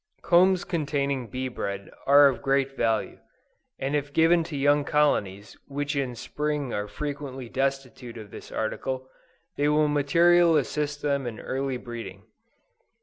Combs containing bee bread, are of great value, and if given to young colonies, which in spring are frequently destitute of this article, they will materially assist them in early breeding.